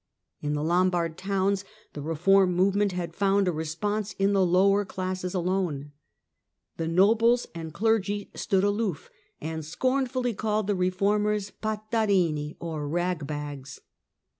In the Lombard towns the reform movement had found a response in the lower classes alone. The nobles and clergy stood aloof, and scornfully called the reformers The " Patarini," or "rag bags."